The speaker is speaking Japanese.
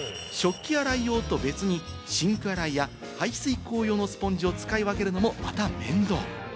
食器洗い用と別にシンク洗いや排水口用のスポンジを使い分けるのもまた面倒。